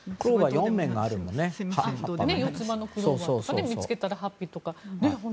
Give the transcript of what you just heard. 四つ葉のクローバーは見つけたらハッピーとか。